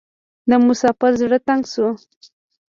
د مسافر زړه تنګ شو .